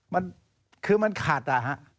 มันคือมันขัดอ่ะฮะ